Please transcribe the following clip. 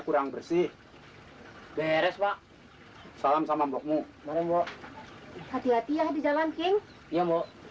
kurang bersih beres pak salam sama bokmu nama hati hati ya di jalan king iya